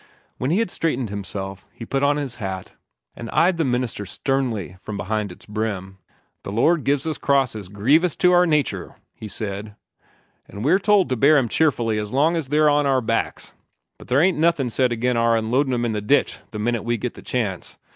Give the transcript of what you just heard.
When he had straightened himself, he put on his hat, and eyed the minister sternly from beneath its brim. "The Lord gives us crosses grievous to our natur'," he said, "an' we're told to bear 'em cheerfully as long as they're on our backs; but there ain't nothin' said agin our unloadin' 'em in the ditch the minute we git the chance.